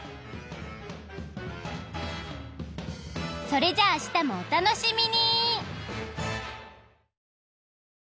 それじゃあ明日もお楽しみに！